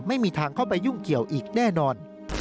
ไม่มีทางเข้าไปยุ่งเกี่ยวอีกแน่นอน